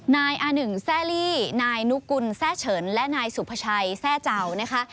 นายอาหนึ่งแซ่ลี่นายนุกุลแซ่เฉินและนายสุภาชัยแทร่เจ้านะคะ